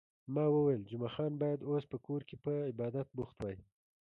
ما وویل، جمعه خان باید اوس په کور کې په عبادت بوخت وای.